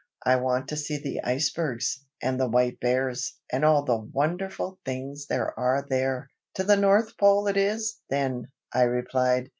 I want to see the icebergs, and the white bears, and all the wonderful things there are there!" "To the North Pole it is, then!" I replied.